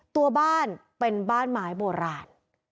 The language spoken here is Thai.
ตัวบ้านเป็นบ้านไม้โบราณ